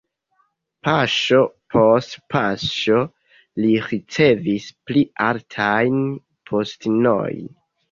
Paŝo post paŝo li ricevis pli altajn postenojn.